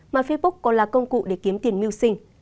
mà facebook còn là công cụ để kiếm tiền mưu sinh